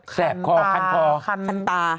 แสบคอคันตาคันแสบคอคันตา